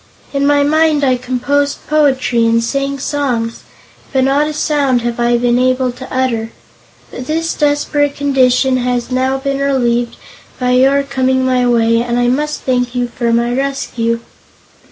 In my mind I composed poetry and sang songs, but not a sound have I been able to utter. But this desperate condition has now been relieved by your coming my way and I must thank you for my rescue."